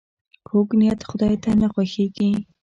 کوږ نیت خداي ته نه خوښیږي